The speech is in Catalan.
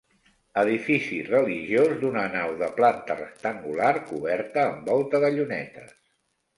Edifici religiós d'una nau de planta rectangular, coberta amb volta de llunetes.